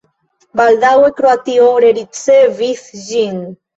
Baldaŭe Kroatio rericevis ĝin.